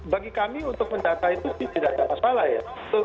bagi kami untuk mendata itu tidak ada masalah ya